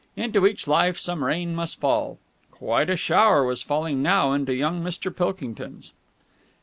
Into each life some rain must fall. Quite a shower was falling now into young Mr. Pilkington's.